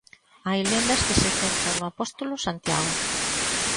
Hai lendas que se centran no apóstolo Santiago.